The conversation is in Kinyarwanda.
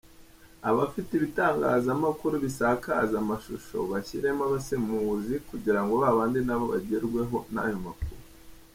Abafite ibitangazamakuru bisakabaza amashusho bashyiremo abasemuzi kugirango ba bandi nabo bagerweho n’ayo makuru.